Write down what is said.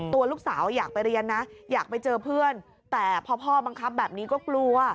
ตัวลูกสาวอยากไปเรียนนะอยากไปเจอเพื่อนแต่พอพ่อบังคับแบบนี้ก็กลัว